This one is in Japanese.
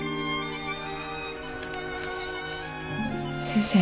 先生。